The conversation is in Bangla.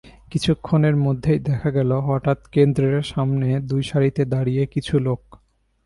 কিছুক্ষণের মধ্যেই দেখা গেল, হঠাৎ কেন্দ্রের সামনে দুই সারিতে দাঁড়িয়ে কিছু লোক।